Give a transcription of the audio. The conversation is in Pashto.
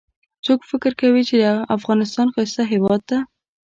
څوک فکر کوي چې افغانستان ښایسته هیواد ده